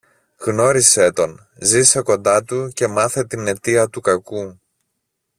γνώρισε τον, ζήσε κοντά του και μάθε την αιτία του κακού.